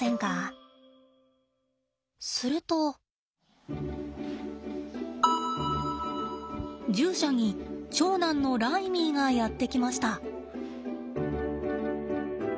すると獣舎に長男のライミーがやって来ました。